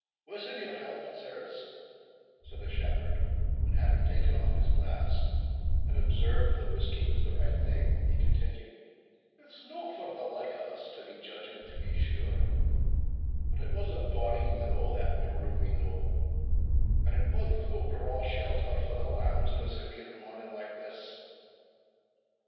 "Wussing your health, sirs," said the shepherd; and having taken off his glass, and observed the whisky was the right thing, he continued, "It's no for the like o' us to be judging, to be sure; but it was a bonny knowe that broomy knowe, and an unco braw shelter for the lambs in a severe morning like this."